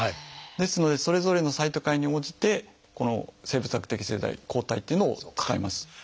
ですのでそれぞれのサイトカインに応じて生物学的製剤抗体っていうのを使います。